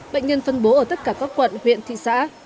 bệnh nhân phân bố ở tất cả các quận huyện thị xã